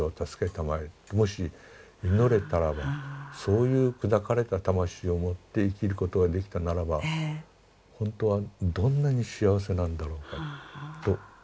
もし祈れたらばそういう砕かれた魂を持って生きることができたならばほんとはどんなに幸せなんだろうかと思いますよ。